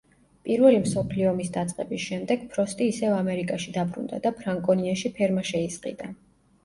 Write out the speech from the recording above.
პირველი მსოფლიო ომის დაწყების შემდეგ ფროსტი ისევ ამერიკაში დაბრუნდა და ფრანკონიაში ფერმა შეისყიდა.